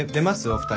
お二人。